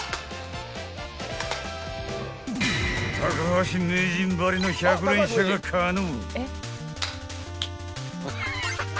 ［高橋名人ばりの１００連射が可能］